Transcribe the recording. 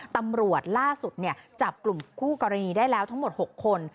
ตำรวจล่าสุดจับกลุ่มคู่กรณีได้แล้วทั้งหมด๖คน